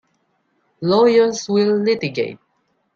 Lawyers will litigate.